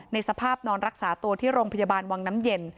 สภาพนอนรักษาตัวที่โรงพยาบาลวังน้ำเย็น